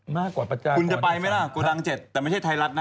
มากกว่าประจำคุณจะไปไหมล่ะโกดัง๗แต่ไม่ใช่ไทยรัฐนะ